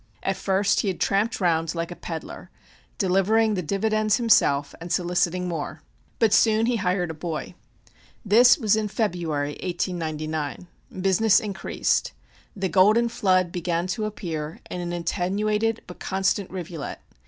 At first he had tramped round, like a pedler, delivering the dividends himself and soliciting more, but soon he hired a boy. This was in February, 1899. Business increased. The golden flood began to appear in an attenuated but constant rivulet.